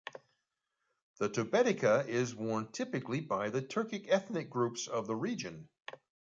The tubeteika is worn typically by the Turkic ethnic groups of the region.